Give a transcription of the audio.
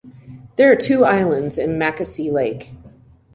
There are two islands in Mackaysee Lake.